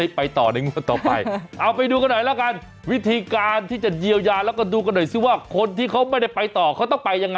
อย่าลงทุนเหรอยังไงจัดมายายาอุ้ยน้ำกลัวไปหลุมเรียง